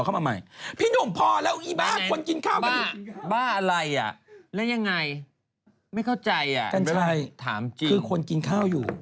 ก็ใช่คือคนกินข้าวอยู่